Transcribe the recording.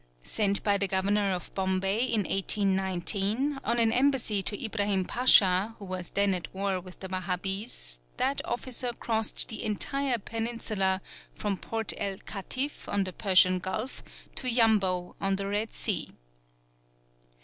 Sent by the Governor of Bombay in 1819, on an embassy to Ibrahim Pacha, who was then at war with the Wahabees, that officer crossed the entire peninsula from Port El Katif on the Persian Gulf to Yambo on the Red Sea.